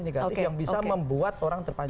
negatif yang bisa membuat orang terpapar